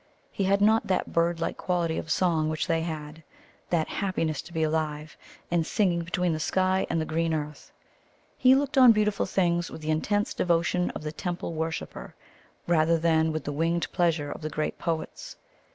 He had not that bird like quality of song which they had that happiness to be alive and singing between the sky and the green earth. He looked on beautiful things with the intense devotion of the temple worshipper rather than with the winged pleasure of the great poets.